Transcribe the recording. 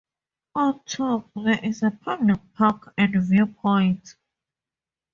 On top, there is a public park and viewpoints.